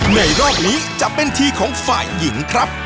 ในรอบนี้จะเป็นทีของฝ่ายหญิงครับ